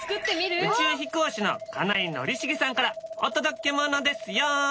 宇宙飛行士の金井宣茂さんからお届けものですよ。